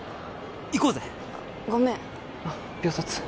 行こうぜごめんあっ秒殺